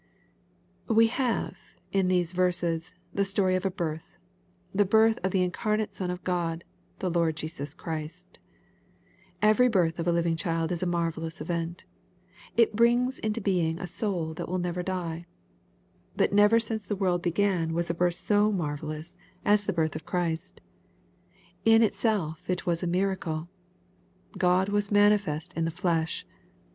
We have, in these verses, the story of a birth, — ^the birth of the incarnate Son of God, the Lord Jesas Christ. Every birth of a living child is a marvellous event. It brings into being a soul that will never die. But never since the world began was a birth so marvellous as the birth of Christ. In itself it was a miracle :—" God was manifest in the flesh.''